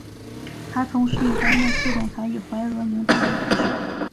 他同时也担任副总裁与怀俄明大学董事。